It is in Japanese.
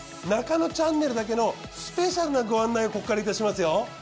『ナカノチャンネル』だけのスペシャルなご案内をここからいたしますよ。